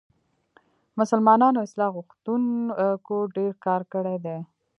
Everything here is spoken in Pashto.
مسلمانو اصلاح غوښتونکو ډېر کار کړی دی.